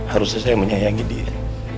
harusnya saya menyayangi dia